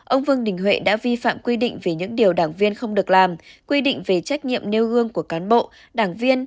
ông vương đình huệ đã vi phạm quy định về những điều đảng viên không được làm quy định về trách nhiệm nêu gương của cán bộ đảng viên